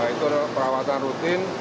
itu perawatan rutin